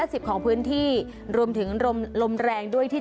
ฮัลโหลฮัลโหลฮัลโหล